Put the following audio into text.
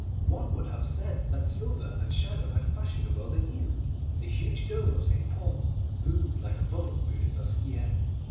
One would have said that silver and shadow had fashioned the world anew. The huge dome of St. Paul's loomed like a bubble through the dusky air.